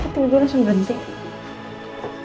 tidur langsung berhenti